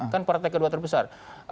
kan partai kedua terbesar